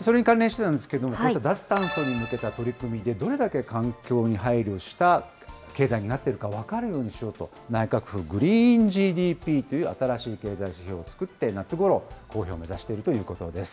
それに関連してなんですけれども、こちら脱炭素に向けた取り組みでどれだけ環境に配慮した経済になってるか分かるようにしようと、内閣府、グリーンＧＤＰという新しい経済指標を作って、夏ごろ公表を目指しているということです。